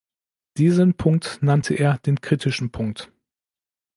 Diesen Punkt nannte er den „kritischen Punkt“.